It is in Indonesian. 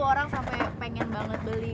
orang sampai pengen banget beli